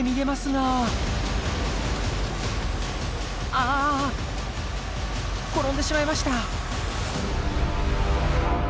ああ転んでしまいました。